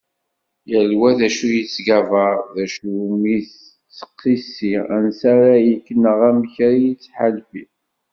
Yal wa d acu yettgabar, d acu iwumi yettqissi, ansa ara yekk neɣ amek yettḥalfi.